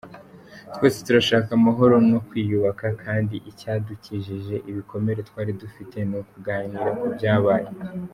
Twese turashaka amahoro no kwiyubaka kandi icyadukijije ibikomere twari dufite ni ukuganira ku byabaye .